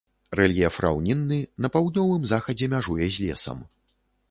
Рэльеф раўнінны, на паўднёвым захадзе мяжуе з лесам.